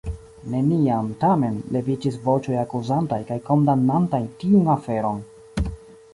Neniam, tamen, leviĝis voĉoj akuzantaj kaj kondamnantaj tiun aferon.